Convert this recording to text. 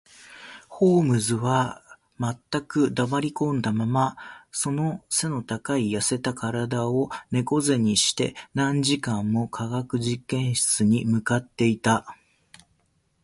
ホームズは全く黙りこんだまま、その脊の高い痩せた身体を猫脊にして、何時間も化学実験室に向っていた